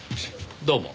どうも。